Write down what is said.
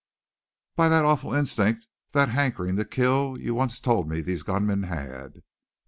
"By that awful instinct, that hankering to kill, you once told me these gunmen had."